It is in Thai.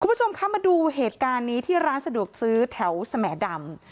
คุณผู้ชมคะมาดูเหตุการณ์นี้ที่ร้านสะดวกซื้อแถวสแหมดำ